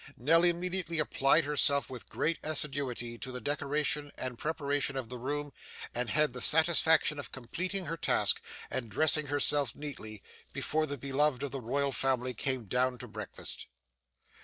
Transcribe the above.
Nell immediately applied herself with great assiduity to the decoration and preparation of the room, and had the satisfaction of completing her task, and dressing herself neatly, before the beloved of the Royal Family came down to breakfast.